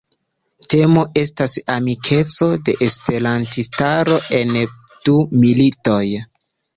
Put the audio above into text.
Temo estas amikeco de Esperantistaro en du militoj.